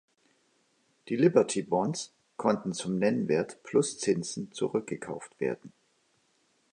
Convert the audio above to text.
Die Liberty Bonds konnten zum Nennwert plus Zinsen zurückgekauft werden.